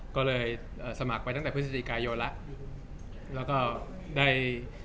ก็เลยเอ่อสมัครไปตั้งแต่พฤศจิกายนแล้วแล้วก็ได้